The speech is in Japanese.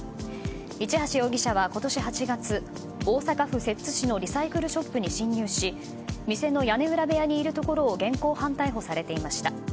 市橋容疑者は今年８月大阪府摂津市のリサイクルショップに侵入し店の屋根裏部屋にいるところを現行犯逮捕されていました。